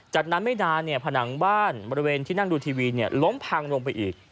จากนั้นไม่นานผนังบ้านบริเวณที่นั่งดูทีวีล้มพังลงไปอีก